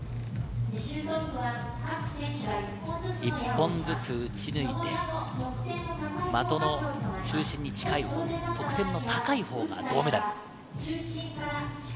１本ずつ撃ち抜いて、的の中心に近い得点の高いほうが銅メダル。